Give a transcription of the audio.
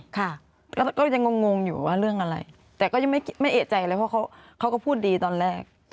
ค่ะแล้วก็ยังงงอยู่ว่าเรื่องอะไรแต่ก็ยังไม่เอกใจเลยเพราะเขาก็พูดดีตอนแรก